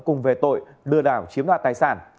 cùng về tội lừa đảo chiếm đoạt tài sản